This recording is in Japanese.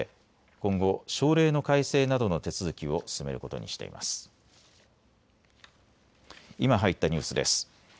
今入ったニュースです。